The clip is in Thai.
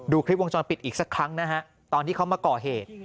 คลิปวงจรปิดอีกสักครั้งนะฮะตอนที่เขามาก่อเหตุ